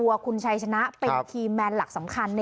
ว่าที่ส